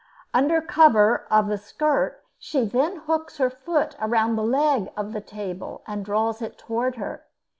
Under cover of the skirt she then hooks her foot around the leg of the table and draws it toward her.